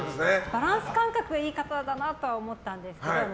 バランス感覚がいい方だとは思ったんですけど。